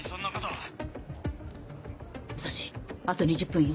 武蔵あと２０分よ。